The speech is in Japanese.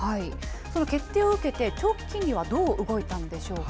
決定を受けて、長期金利はどう動いたんでしょうか。